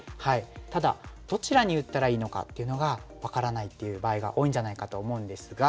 ただどちらに打ったらいいのかっていうのが分からないっていう場合が多いんじゃないかと思うんですが。